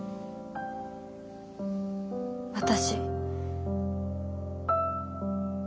私。